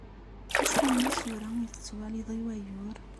Acḥal n yisura i tettwaliḍ i wayyur?